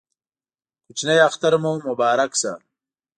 کوچینۍ اختر مو مبارک شه